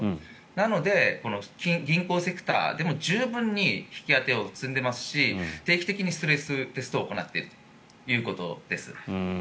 なので、銀行セクターでも十分に引き当てを積んでますし定期的にストレステストを行っているということです。